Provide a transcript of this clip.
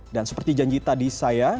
dan seperti janji tadi saya